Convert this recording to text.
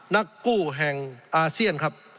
นักกู้แห่งอาเซียนครับ